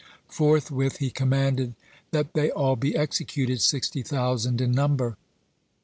Forthwith he commanded that they all be executed, sixty thousand in number.